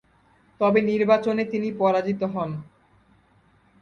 তবে নির্বাচনে তিনি পরাজিত হন।